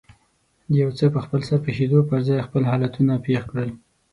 د يو څه په خپلسر پېښېدو پر ځای خپل حالتونه پېښ کړي.